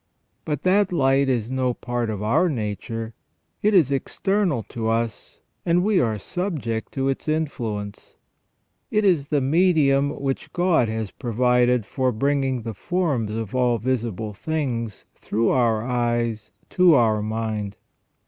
But that light is no part of our nature : it is external to us, and we are subject to its influence. It is the medium which God has provided for bringing the forms of all visible things through our eyes to our mind.